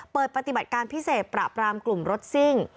เปิดปฏิบัติการพิเศษปราบรามกลุ่มรถซิ่ง